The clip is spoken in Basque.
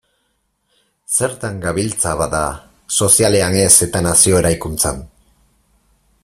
Zertan gabiltza, bada, sozialean ez eta nazio eraikuntzan?